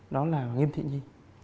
đó là nghiêm thị nhi